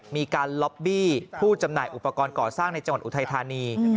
มีการล็อบบี้ผู้จำหน่ายอุปกรณ์ก่อสร้างในจังหวัดอุทัยธานี